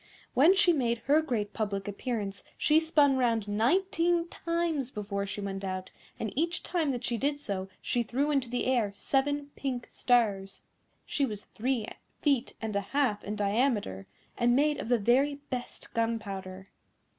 When she made her great public appearance she spun round nineteen times before she went out, and each time that she did so she threw into the air seven pink stars. She was three feet and a half in diameter, and made of the very best gunpowder.